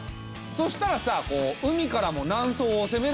そしたらさ海からも南宋を攻められるじゃない。